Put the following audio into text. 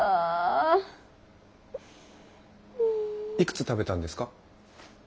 いくつ食べたんですか？